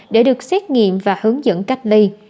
để được xét nghiệm và hướng dẫn cách ly